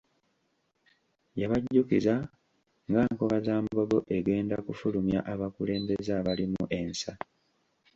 Yabajjukiza nga Nkobazambogo egenda kufulumya abakulembeze abalimu ensa.